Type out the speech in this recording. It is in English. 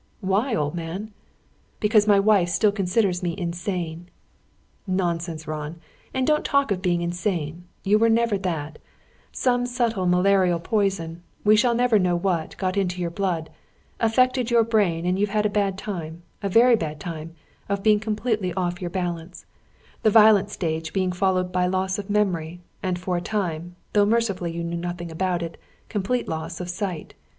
"Why, old man?" "Because my wife still considers me insane." "Nonsense, Ron! And don't talk of being insane. You were never that. Some subtle malarial poison, we shall never know what, got into your blood, affected your brain, and you've had a bad time a very bad time of being completely off your balance; the violent stage being followed by loss of memory, and for a time, though mercifully you knew nothing about it, complete loss of sight.